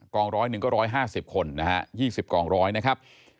องร้อยหนึ่งก็๑๕๐คนนะฮะ๒๐กองร้อยนะครับ